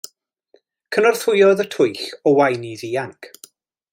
Cynorthwyodd y twyll Owain i ddianc.